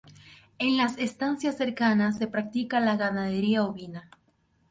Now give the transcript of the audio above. En las estancias cercanas, se practica la ganadería ovina.